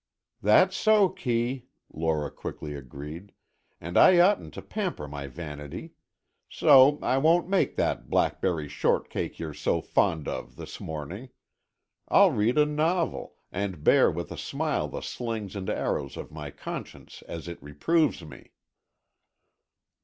"That's so, Kee," Lora quickly agreed, "and I oughtn't to pamper my vanity. So, I won't make that blackberry shortcake you're so fond of this morning, I'll read a novel, and bear with a smile the slings and arrows of my conscience as it reproves me."